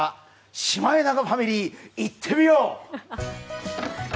シマエナガファミリー、いってみよう。